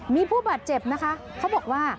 มีผู้บาดเจ็บนะคะเขาบอกว่า